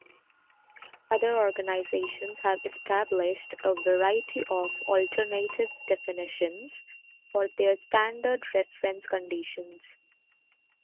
Other organizations have established a variety of alternative definitions for their standard reference conditions.